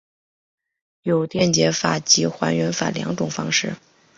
有电解法及还原法两种方式。